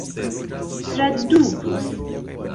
tradukus